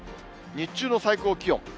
日中の最高気温。